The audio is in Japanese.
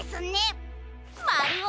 まるお！